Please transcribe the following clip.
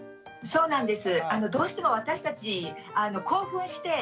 そうなんです。